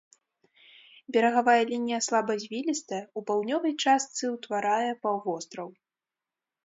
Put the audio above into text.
Берагавая лінія слабазвілістая, у паўднёвай частцы ўтварае паўвостраў.